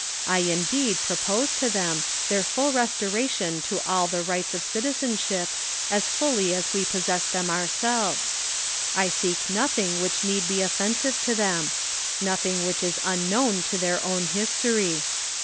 I indeed propose to them, their full restoration to all the rights of citizenship, as fully as we possess them our selves. I seek nothing which need be offensive to them; nothing which is un known to their own history.